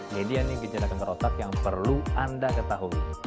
media nih gejala kanker otak yang perlu anda ketahui